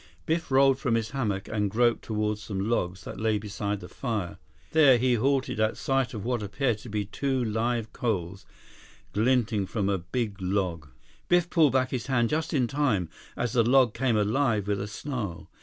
Biff rolled from his hammock and groped toward some logs that lay beside the fire. There, he halted at sight of what appeared to be two live coals, glinting from a big log. Biff pulled back his hand just in time, as the log came alive with a snarl.